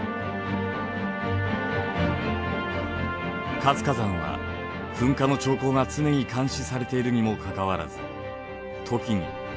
活火山は噴火の兆候が常に監視されているにもかかわらず時に甚大な被害や災害をもたらします。